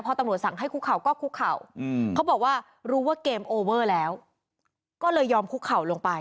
พอตำรวจสั่งให้คุกเข่าก็คุกเข่าเขาบอกว่ารู้ว่าเกมโอเวอร์แล้วก็เลยยอมคุกเข่าลงไป